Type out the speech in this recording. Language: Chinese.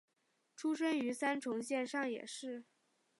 出生于三重县上野市。